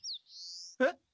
えっ？